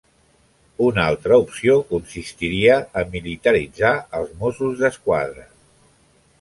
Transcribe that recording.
Una altra opció consistiria a militaritzar els Mossos d'Esquadra.